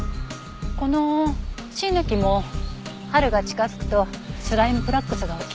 このシイの木も春が近づくとスライム・フラックスが起きる。